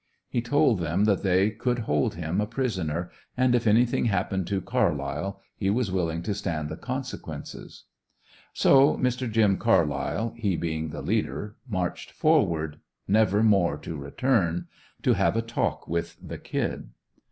He told them that they could hold him a prisoner, and if anything happened to Carlyle, he was willing to stand the consequences. So Mr. "Jim" Carlyle, he being the leader, marched forward never more to return to have a talk with the "Kid".